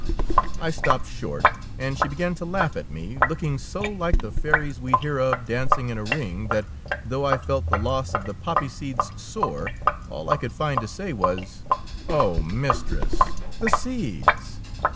I stopped short, and she 22 THE KOBE OF THE DUCHESS began to laugh at me, looking so like the fairies we hear of dancing in a ring, that though I felt the loss of the poppy seeds sore, all I could find to say was, —" Oh, mistress, the seeds!